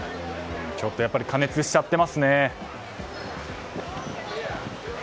ちょっとやっぱり過熱しちゃってますね。